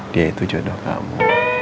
dia itu jodoh kamu